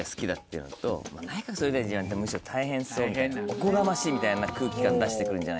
おこがましいみたいな空気感出してくるんじゃないかな。